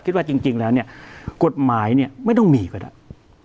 คิดว่าจริงแล้วเนี่ยกฎหมายเนี่ยไม่ต้องมีก็ได้